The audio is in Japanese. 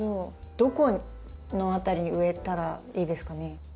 どこの辺りに植えたらいいですかね？